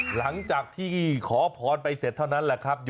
หลังจากที่ขอพรไปเสร็จเท่านั้นแหละครับ